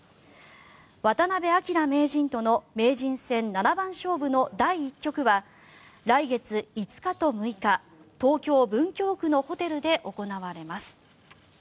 渡辺明名人との名人戦七番勝負の第１局は来月５日と６日東京・文京区のホテルで行われます。